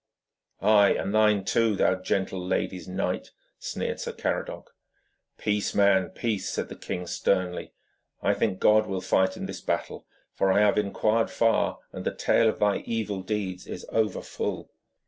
'Ay, and thine too, thou gentle lady's knight!' sneered Sir Caradoc. 'Peace, man, peace,' said the king sternly. 'I think God will fight in this battle, for I have inquired far, and the tale of thy evil deeds is over full.'